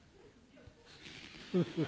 フフフ。